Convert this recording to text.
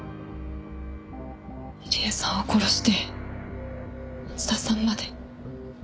入江さんを殺して松田さんまで。